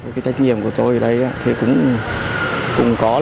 cái trách nhiệm của tôi ở đây cũng có